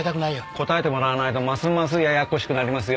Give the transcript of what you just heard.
答えてもらわないとますますややこしくなりますよ？